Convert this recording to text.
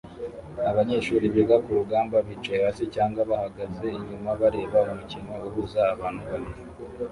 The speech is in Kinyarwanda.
Abanyeshuri biga kurugamba bicaye hasi cyangwa bahagaze inyuma bareba umukino uhuza abantu babiri